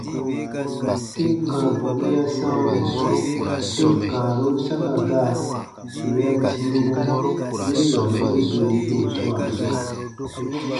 Tem kãa bɔnu ya sãawa tem kãarun saka gaa yè ya tii mɔ yen yarumani dendibun swaa sɔɔ.